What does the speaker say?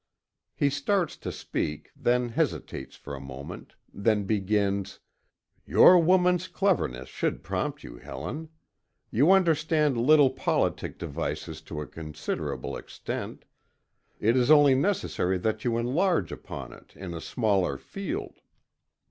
He starts to speak, then hesitates for a moment, then begins: "Your woman's cleverness should prompt you, Helen. You understand little politic devices to a considerable extent; it is only necessary that you enlarge upon it in a smaller field.